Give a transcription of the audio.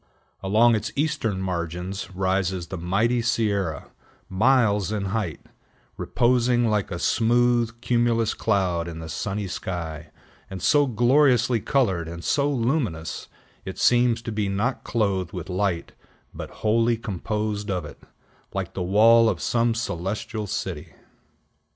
Along its eastern margin rises the mighty Sierra, miles in height, reposing like a smooth, cumulous cloud in the sunny sky, and so gloriously colored, and so luminous, it seems to be not clothed with light, but wholly composed of it, like the wall of some celestial city.